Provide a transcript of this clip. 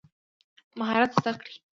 مهارت زده کړئ